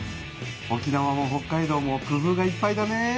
沖縄も北海道も工夫がいっぱいだね。